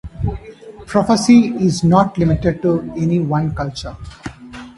Prophecy is not limited to any one culture.